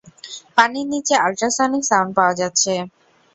পানির নিচে ultrasonic sound পাওয়া যাচ্ছে।